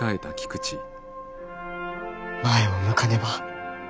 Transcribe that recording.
前を向かねば。